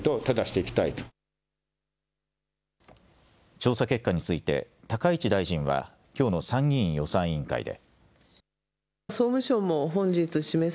調査結果について、高市大臣はきょうの参議院予算委員会で。